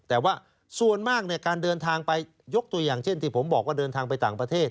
แต่ว่าส่วนมากการเดินทางไปยกตัวอย่างเช่นที่ผมบอกว่าเดินทางไปต่างประเทศ